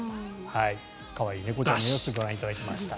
可愛い猫ちゃんの様子をご覧いただきました。